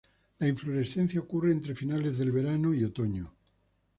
La inflorescencia ocurre entre finales del verano y otoño.